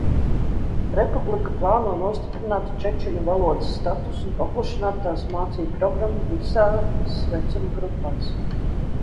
Republika plāno nostiprināt čečenu valodas statusu un paplašināt tās mācību programmu visās vecuma grupās.